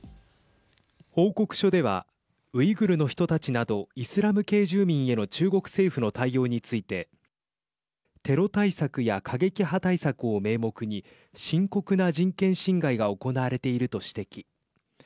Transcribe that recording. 報告書ではウイグルの人たちなどイスラム系住民への中国政府の対応についてテロ対策や過激派対策を名目に深刻な人権侵害が行われていると指摘。